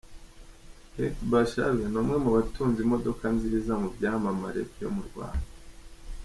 Kate Bashabe ni umwe mu batunze imodoka nziza mu byamamare byo mu Rwanda.